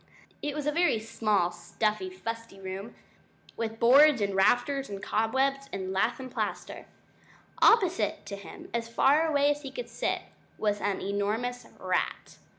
It was a very small stuffy fusty room, with boards, and rafters, and cobwebs, and lath and plaster. Opposite to him as far away as he could sit was an enormous rat.